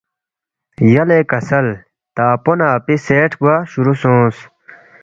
یلے کسل تا اپو نہ اپی سیٹھ گوا شروع سونگس